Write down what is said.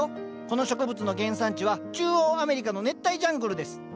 この植物の原産地は中央アメリカの熱帯ジャングルです。